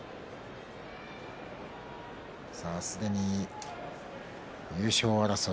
すでに優勝争い